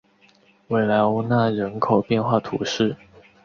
维莱欧讷人口变化图示